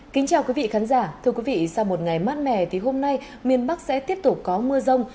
kính chào quý vị khán giả thưa quý vị sau một ngày mát mẻ thì hôm nay miền bắc sẽ tiếp tục có mưa rông